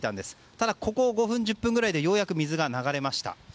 ただ５分、１０分ぐらいでようやく水が流れました。